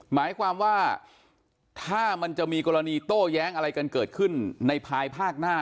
หมายความว่าถ้ามันจะมีกรณีโต้แย้งอะไรกันเกิดขึ้นในภายภาคหน้า